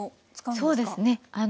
そうですね。